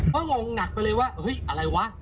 ก็งงหนักไปเลยว่าเฮ้ยอะไรวะ